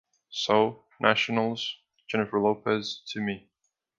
So, Nationals: Jennifer Lopez to me.